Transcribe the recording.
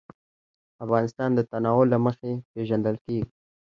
افغانستان د تنوع له مخې پېژندل کېږي.